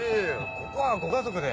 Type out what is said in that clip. ここはご家族で。